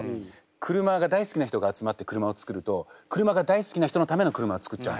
車が大好きな人が集まって車を作ると車が大好きな人のための車を作っちゃうんですよ。